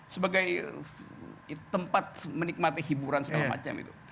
sebagai tempat menikmati hiburan segala macam itu